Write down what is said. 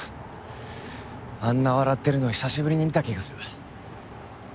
あんな笑ってるの久しぶりに見た気がする。